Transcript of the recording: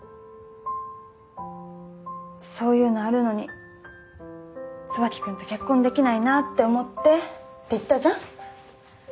そういうのあるのに椿君と結婚できないなって思ってって言ったじゃん。